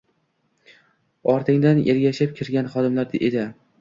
Ortingdan ergashib kirgan xodimlar edi.